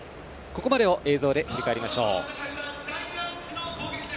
ここまでを映像で振り返りましょう。